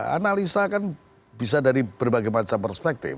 analisa kan bisa dari berbagai macam perspektif